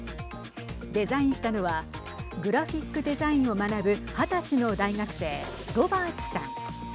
デザインしたのはグラフィック・デザインを学ぶ二十歳の大学生ロバーツさん。